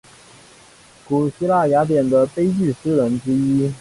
古希腊雅典的悲剧诗人之一。